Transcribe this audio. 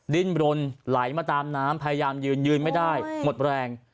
ดิ้นบรนไหลมาตามน้ำพยายามยืนยืนไม่ได้หมดแรง